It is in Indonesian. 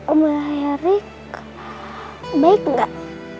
omelah heri baik gak